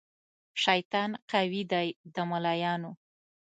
شیطان قوي دی د ملایانو